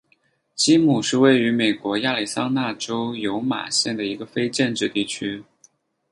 基姆是位于美国亚利桑那州尤马县的一个非建制地区。